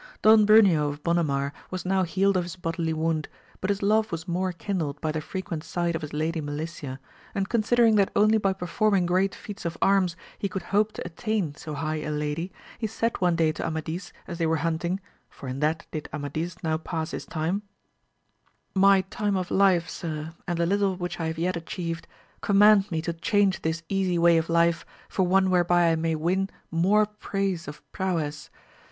Don Bruneo of Bonamar was now healed of his bodily wound, but his love was more kindled by the frequent sight of his Lady Melicia ; and considering that only by performing great feats of arms he could hope to attain so high a lady, he said one day to Amadis, as they were hunting, for in that did Amadis now pass his time, my time of life, sir, and the little which I have yet atchieved, command me to change this easy way of life for one whereby I may win more AMADIS OF GAUL. 20r praise of prowess.